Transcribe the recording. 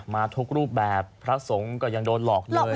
มาทุกรูปแบบพระสงฆ์ก็ยังโดนหลอกเลย